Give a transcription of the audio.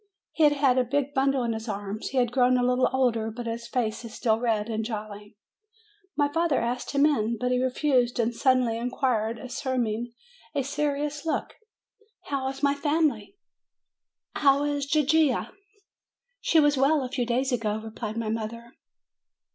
Hfe had a big bundle in his arms. He has grown a little older, but his face is still red and jolly. My father asked him in; but he refused, and sud denly inquired, assuming a serious look : "How is my family? How is Gigia?" "She was well a few days ago," replied my mother.